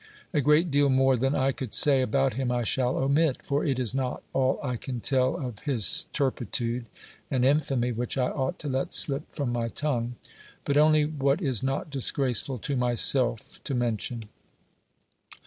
A great deal more than I could say about him I shall omit ; for it is not all I can tell of his turpitude and infamy which I ought to let slip from my tongue, but only what is not disgraceful to myself to mention.